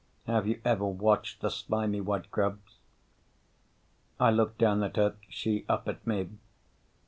Have you ever watched the slimy white grubs? I looked down at her, she up at me.